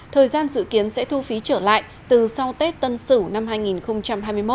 thời gian dự kiến sẽ thu phí trở lại từ sau tết tân sửu năm hai nghìn hai mươi một